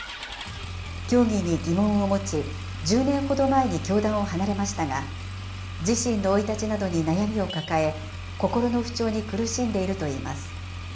教義に疑問を持ち、１０年ほど前に教団を離れましたが、自身の生い立ちなどに悩みを抱え、心の不調に苦しんでいるといいます。